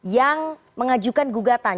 yang mengajukan gugatan